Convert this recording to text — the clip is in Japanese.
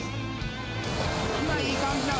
今、いい感じだわ。